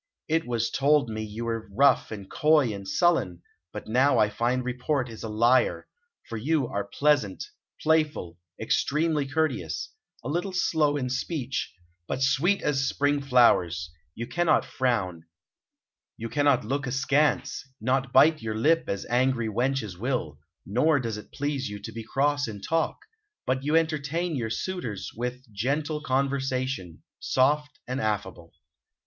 "It was told me you were rough and coy and sullen, but now I find report is a liar; for you are pleasant, playful, extremely courteous; a little slow in speech, but sweet as spring flowers; you cannot frown, you cannot look askance, not bite your lip as angry wenches will; nor does it please you to be cross in talk, but you entertain your suitors with gentle conversation, soft and affable."